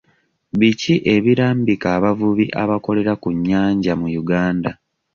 Biki ebirambika abavubi abakoera ku nnyanja mu Uganda?